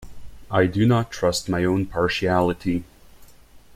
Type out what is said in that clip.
I do not trust my own partiality.